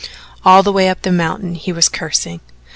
All the way up the mountain he was cursing.